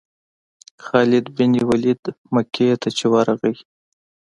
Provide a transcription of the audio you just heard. خالد بن ولید مکې ته چې ورغی.